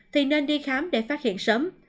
thì nên đi khám để phát hiện sớm